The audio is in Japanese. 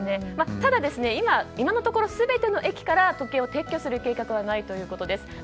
ただ、今のところ全ての駅から時計を撤去する計画はないということです。